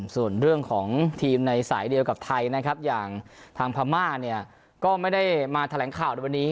ส่วนเรื่องของทีมในสายเดียวกับไทยนะครับอย่างทางพม่าเนี่ยก็ไม่ได้มาแถลงข่าวในวันนี้